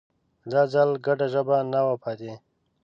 دا ځل ګډه ژبه نه وه پاتې